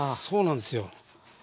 そうなんですよ。